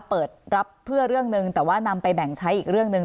เปิดรับเพื่อเรื่องหนึ่งแต่ว่านำไปแบ่งใช้อีกเรื่องหนึ่ง